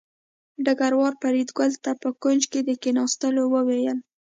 ډګروال فریدګل ته په کوچ د کېناستلو وویل